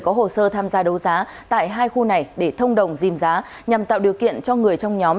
có hồ sơ tham gia đấu giá tại hai khu này để thông đồng dìm giá nhằm tạo điều kiện cho người trong nhóm